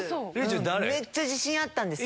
めっちゃ自信あったんですよ。